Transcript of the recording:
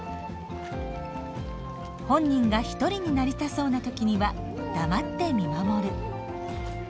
本人が一人になりたそうな時には黙って見守る。